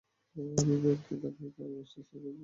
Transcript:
আমি ব্যাংকহেডে থাকি, বাস স্টেশনের কাছাকাছি।